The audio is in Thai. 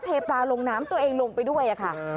เทปลาลงน้ำตัวเองลงไปด้วยค่ะ